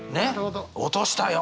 「落としたよ」。